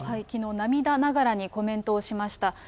きのう、涙ながらにコメントをしました。